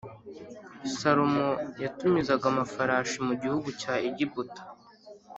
Salomo yatumizaga amafarashi mu gihugu cya Egiputa